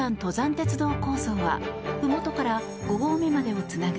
鉄道構想はふもとから５合目までをつなぐ